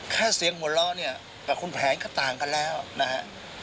แค่เสียงหัวเราะเนี่ยกับคุณแผนก็ต่างกันแล้วนะฮะ